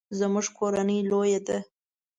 زموږ کورنۍ لویه ده